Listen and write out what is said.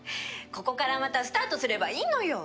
ここからまたスタートすればいいのよ。